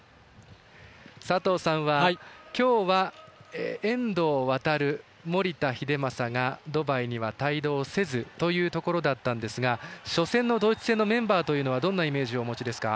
佐藤さんは今日は、遠藤航、守田英正がドバイには帯同せずというところだったんですが初戦のドイツ戦のメンバーはどんなイメージをお持ちですか？